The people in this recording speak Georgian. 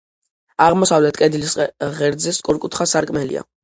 აღმოსავლეთ კედლის ღერძზე სწორკუთხა სარკმელია.